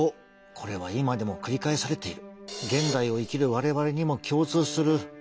これは今でも繰り返されている。